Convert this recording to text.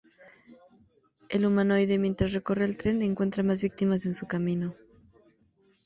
El humanoide, mientras recorre el tren, encuentra más víctimas en su camino.